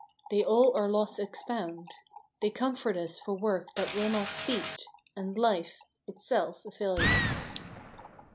They all our loss expound ; They comfort us for work that will not speed, ' And life — itself a failure.